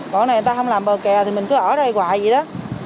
còn người ta không làm bờ kè thì mình cứ ở đây hoài vậy đó